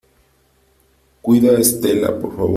cuida a Estela , por favor .